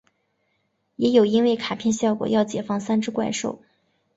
也有因为卡片效果要解放三只怪兽。